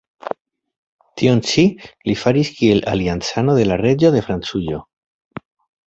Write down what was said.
Tion ĉi li faris kiel aliancano de la reĝo de Francujo.